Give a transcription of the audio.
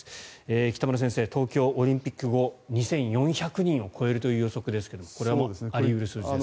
北村先生、東京オリンピック後２４００人を超えるという予想ですがこれはもうあり得る数字ですか？